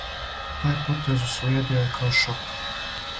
Тај потез услиједио је као шок.